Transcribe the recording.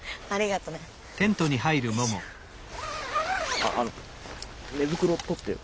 ああの寝袋取ってよ。